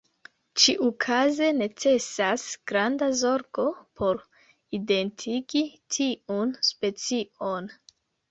Ĉiukaze necesas granda zorgo por identigi tiun specion.